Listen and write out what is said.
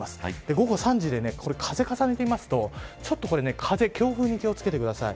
午後３時で風を重ねてみるとちょっと風強風に気を付けてください。